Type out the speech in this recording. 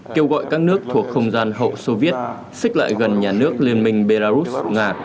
kêu gọi các nước thuộc không gian hậu soviet xích lại gần nhà nước liên minh belarus nga